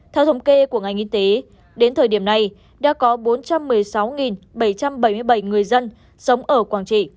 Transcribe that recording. theo thống kê của ngành y tế đến thời điểm này đã có bốn trăm một mươi sáu bảy trăm bảy mươi bảy người dân sống ở quảng trị